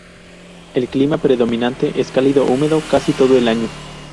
El clima predominante es cálido húmedo casi todo el año.